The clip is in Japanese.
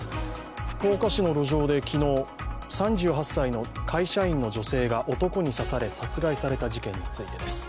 福岡市の路上で昨日、３８歳の会社員の女性が男に刺され、殺害された事件についてです。